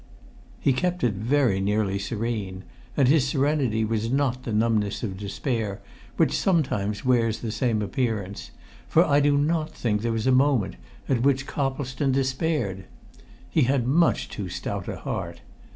He kept it very nearly serene; and his serenity was not the numbness of despair which sometimes wears the same appearance; for I do not think there was a moment at which Coplestone despaired. He had much too stout a heart.